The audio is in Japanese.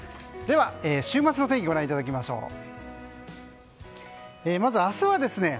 では、週末の天気ご覧いただきましょう。